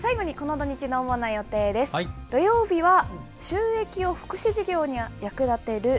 土曜日は収益を福祉事業に役立てる